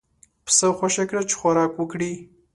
پسه خوشی کړه چې خوراک وکړي.